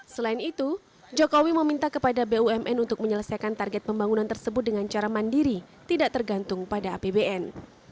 selain itu jokowi meminta kepada bumn untuk menyelesaikan target pembangunan tersebut dengan cara mandiri tidak tergantung pada apbn